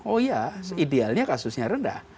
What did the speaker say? oh iya idealnya kasusnya rendah